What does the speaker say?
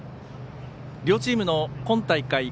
両チームの今大会